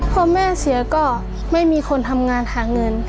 พอแม่เสียก็ไม่มีคนทำงานหาเงิน